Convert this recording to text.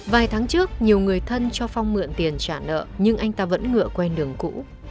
vài tháng trước nhiều người thân cho phong mượn tiền trả nợ nhưng anh ta vẫn ngựa quen đường cũ